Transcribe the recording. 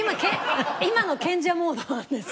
今の賢者モードなんです。